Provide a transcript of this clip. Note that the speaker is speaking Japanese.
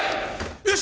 よし！